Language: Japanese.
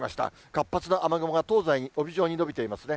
活発な雨雲が東西に帯状に延びていますね。